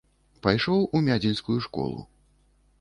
Пайшоў у мядзельскую школу.